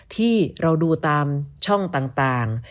ที่เราดูตามช่องต่าง